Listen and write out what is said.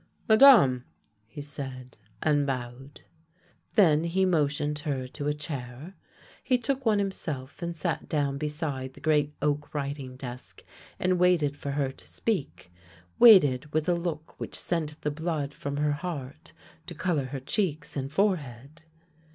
"Madame!" he said, and bowed. Then he mo tioned her to a chair. He took one himself and sat down beside the great oak writing desk, and waited for her to speak — waited with a look which sent the blood from her heart to colour her cheeks and forehead.